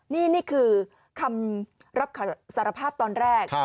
นี่คือคำรับสารภาพตอนแรก